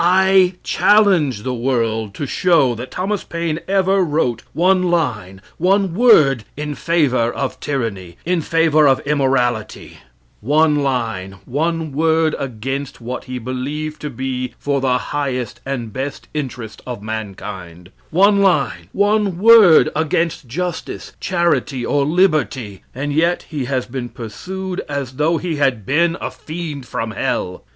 I challenge the world to show that Thomas Paine ever wrote one line, one word in favor of tyranny in favor of immorality; one line, one word against what he believed to be for the highest and best interest of mankind; one line, one word against justice, charity, or liberty, and yet he has been pursued as though he had been a fiend from hell.